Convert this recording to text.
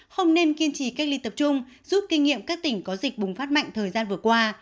không nên kiên trì cách ly tập trung giúp kinh nghiệm các tỉnh có dịch bùng phát mạnh thời gian vừa qua